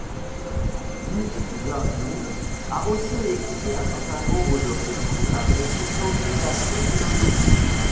Yu Jae-yong a aussi écrit un certain nombre de récits avec des préoccupations philosophique.